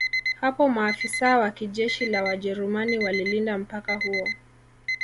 Hapo maafisa wa jeshi la Wajerumani walilinda mpaka huo